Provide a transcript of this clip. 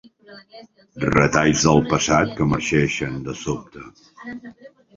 Retalls del passat que emergeixen de sobte.